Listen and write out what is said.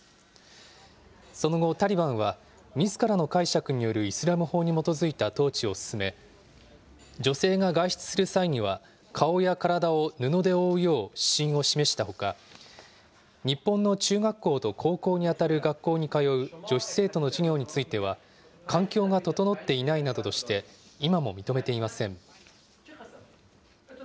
その後、タリバンはみずからの解釈によるイスラム法に基づいた統治を進め、女性が外出する際には顔や体を布で覆うよう指針を示したほか、日本の中学校と高校にあたる学校に通う女子生徒の授業については、環境が整っていないなどとして、今も認めていません。